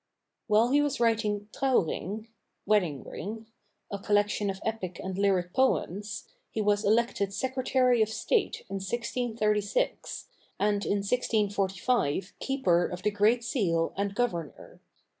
While he was writing 'Trouwring' (Wedding Ring), a collection of epic and lyric poems, he was elected Secretary of State in 1636, and in 1645 Keeper of the Great Seal and Governor.